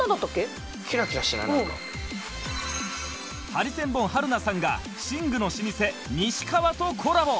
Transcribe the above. ハリセンボン春菜さんが寝具の老舗西川とコラボ！